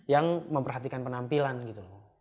yang memperhatikan penampilan gitu